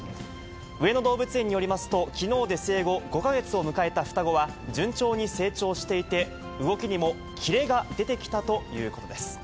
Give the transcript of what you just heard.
上野動物園によりますと、きのうで生後５か月を迎えた双子は、順調に成長していて、動きにもキレが出てきたということです。